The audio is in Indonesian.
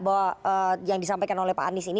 bahwa yang disampaikan oleh pak anies ini